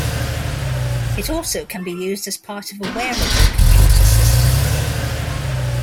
It also can be used as part of a wearable computer system.